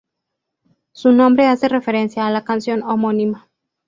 Su nombre hace referencia a la canción homónima.